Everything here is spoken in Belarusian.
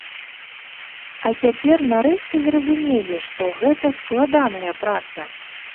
А цяпер нарэшце зразумелі, што гэта складаная праца.